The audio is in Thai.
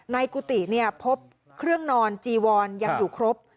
กุฏิพบเครื่องนอนจีวอนยังอยู่ครบ